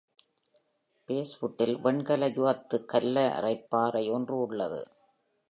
பேஸ்வுட்டில் வெண்கல யுகத்து கல்லறைப்பாறை ஒன்று உள்ளது.